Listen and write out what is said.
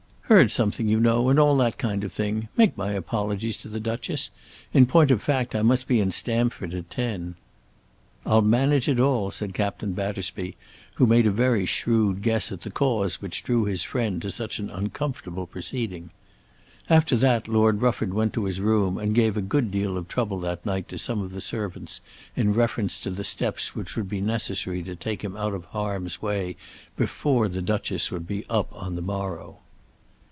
"Heard something, you know, and all that kind of thing. Make my apologies to the Duchess. In point of fact I must be in Stamford at ten." "I'll manage it all," said Captain Battersby, who made a very shrewd guess at the cause which drew his friend to such an uncomfortable proceeding. After that Lord Rufford went to his room and gave a good deal of trouble that night to some of the servants in reference to the steps which would be necessary to take him out of harm's way before the Duchess would be up on the morrow.